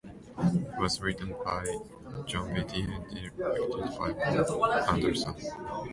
It was written by Jon Vitti and directed by Bob Anderson.